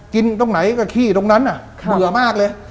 ตรงไหนก็ขี้ตรงนั้นเบื่อมากเลย